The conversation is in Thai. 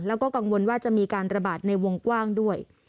แล้วก็กังวลว่าจะมีการระบาดในวงกว้างด้วย